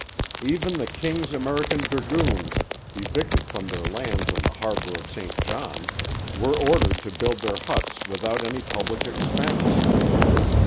Even the King's American Dragoons, evicted from their lands on the harbour of St John, were ordered to build their huts 'without any public expence.'